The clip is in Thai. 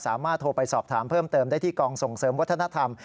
สามารถโทรไปสอบถามเพิ่มเติมได้ที่กองส่งเสริมวัฒนธรรม